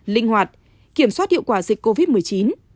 linh hoạt kiểm soát hiệu quả dịch covid một mươi chín